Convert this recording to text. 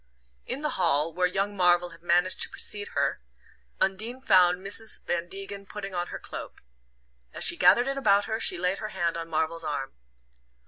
In the hall, where young Marvell had managed to precede her. Undine found Mrs. Van Degen putting on her cloak. As she gathered it about her she laid her hand on Marvell's arm.